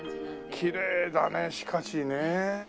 きれいだねしかしね。